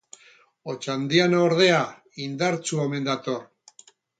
Otxandiano, ordea, indartsu omen dator.